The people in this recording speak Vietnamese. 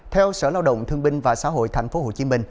theo sở lao động thương binh và xã hội tp hcm